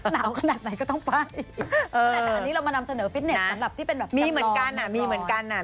หนาวขนาดไหนก็ต้องไปแต่อันนี้เรามานำเสนอฟิตเนสสำหรับที่เป็นแบบจำลอง